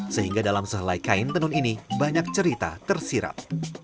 sehingga dalam sehelai kain tenun ini banyak cerita tersirap